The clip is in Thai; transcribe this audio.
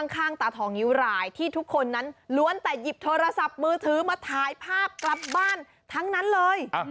ข้างตาทองนิ้วรายที่ทุกคนนั้นล้วนแต่หยิบโทรศัพท์มือถือมาถ่ายภาพกลับบ้านทั้งนั้นเลย